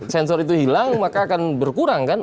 sensor itu hilang maka akan berkurang kan